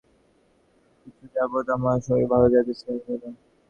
কিছুকাল যাবৎ আমার শরীর ভাল যাইতেছিল না।